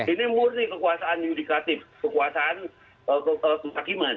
ini murni kekuasaan yudikatif kekuasaan kehakiman